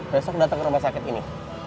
besok datang ke rumah sakit ini